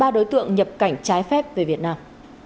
ba đối tượng nhập cảnh trái phép về việt nam